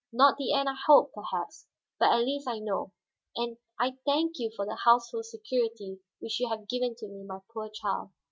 Not the end I hoped, perhaps, but at least I know. And I thank you for the household security which you have given to me, my poor child."